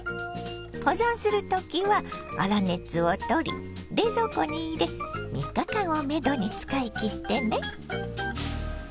保存する時は粗熱を取り冷蔵庫に入れ３日間をめどに使い切ってね。